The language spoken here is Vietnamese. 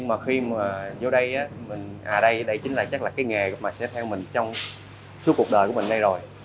vô đây đây chính là cái nghề mà sẽ theo mình trong suốt cuộc đời của mình đây rồi